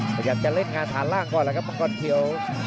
พยายามจะเล่นงานฐานล่างก่อนแล้วครับมังกรเขียว